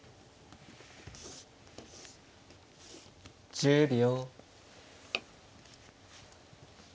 １０秒。